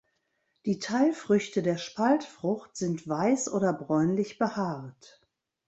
Die Teilfrüchte der Spaltfrucht sind weiß oder bräunlich behaart.